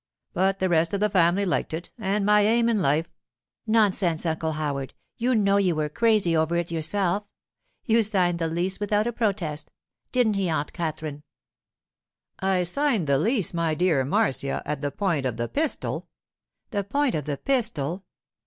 But the rest of the family liked it, and my aim in life——' 'Nonsense, Uncle Howard! you know you were crazy over it yourself. You signed the lease without a protest. Didn't he, Aunt Katherine?' 'I signed the lease, my dear Marcia, at the point of the pistol.' 'The point of the pistol?